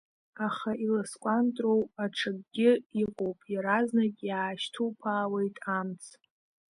Аха иласкәантроу аҽакгьы ыҟоуп, иаразнак иаашьҭуԥаауеит амц!